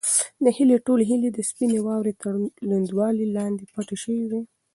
د هیلې ټولې هیلې د سپینې واورې تر لوندوالي لاندې پټې شوې وې.